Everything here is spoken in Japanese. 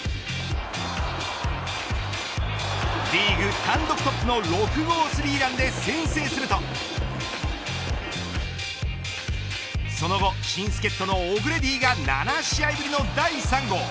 リーグ単独トップの６号スリーランで先制するとその後、新助っ人のオグレディが７試合ぶりの第３号。